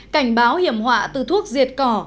cảnh báo hiểm họa từ thuốc diệt cỏ